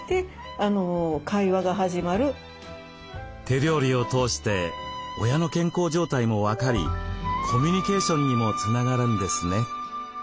手料理を通して親の健康状態も分かりコミュニケーションにもつながるんですね。